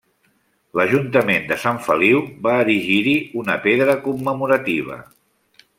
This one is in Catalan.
L'ajuntament de Sant Feliu va erigir-hi una pedra commemorativa.